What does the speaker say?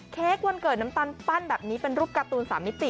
วันเกิดน้ำตาลปั้นแบบนี้เป็นรูปการ์ตูน๓มิติ